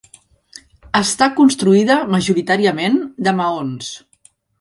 Està construïda majoritàriament de maons.